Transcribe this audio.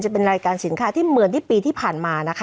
จะเป็นรายการสินค้าที่เหมือนที่ปีที่ผ่านมานะคะ